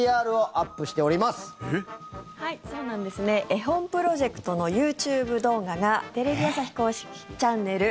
絵本プロジェクトのＹｏｕＴｕｂｅ動画がテレビ朝日公式チャンネル